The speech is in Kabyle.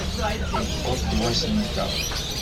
Yewweḍ-d wass-nteɣ!